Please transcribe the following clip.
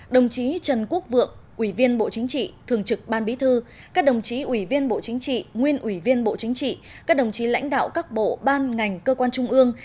đồng chí trần quốc vượng ủy viên bộ chính trị thường trực ban bí thư các đồng chí ủy viên bộ chính trị nguyên ủy viên bộ chính trị các đồng chí lãnh đạo các bộ ban ngành cơ quan trung ương